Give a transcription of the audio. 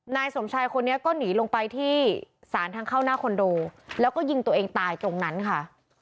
นายสมชายคนนี้ก็หนีลงไปที่สารทางเข้าหน้าคอนโดแล้วก็ยิงตัวเองตายตรงนั้นค่ะ